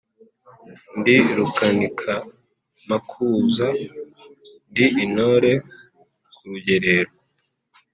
Ndi Rukanikamakuza ndi intore kurugerero